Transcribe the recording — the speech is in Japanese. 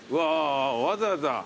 わざわざ。